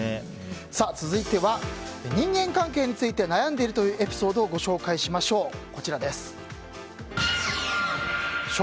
続いては、人間関係について悩んでいるというエピソードをご紹介しましょう。